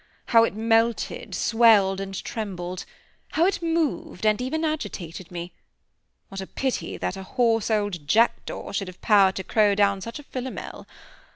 How it melted, swelled, and trembled! How it moved, and even agitated me! What a pity that a hoarse old jackdaw should have power to crow down such a Philomel!